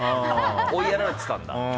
追いやられてたんだ。